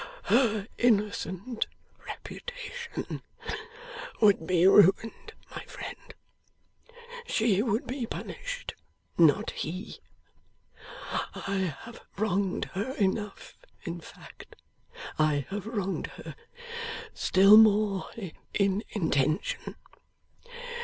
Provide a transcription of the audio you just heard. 'Her innocent reputation would be ruined, my friend. She would be punished, not he. I have wronged her enough in fact; I have wronged her still more in intention.